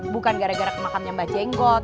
bukan gara gara ke makamnya mbak jenggot